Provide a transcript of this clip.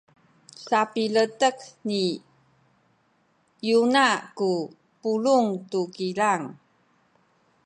sapiletek ni Yona ku pulung tu kilang.